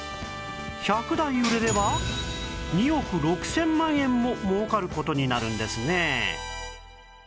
１００台売れれば２億６０００万円も儲かる事になるんですね